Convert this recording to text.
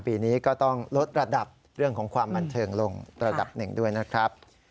ปีนี้ก็ต้องลดระดับเรื่องของความบันเทิงลงระดับหนึ่งด้วยนะครับ